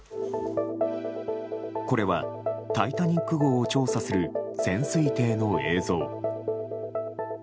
これは「タイタニック号」を調査する潜水艇の映像。